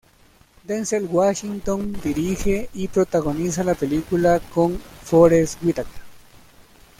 Denzel Washington dirige y protagoniza la película, con Forest Whitaker.